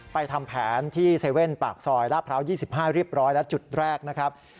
ทำแผนที่๗๑๑ปากซอยลาดพร้าว๒๕เรียบร้อยและจุดแรกนะครับ